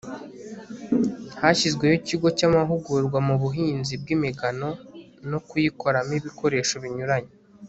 hashyizweho ikigo cy'amahugurwa mu buhinzi bw'imigano no kuyikoramo ibikoresho binyuranye